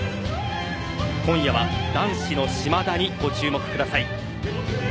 今夜は男子の島田にご注目ください。